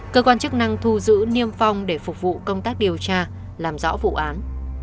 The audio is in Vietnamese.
cơ quan chức năng thu giữ niêm phong để phục vụ công tác điều tra làm rõ vụ án